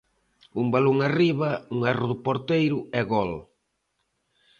Un balón arriba, un erro do porteiro e gol.